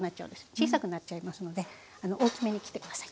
小さくなっちゃいますので大きめに切って下さい。